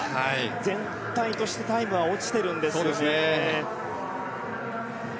全体としてタイムは落ちているんですよね。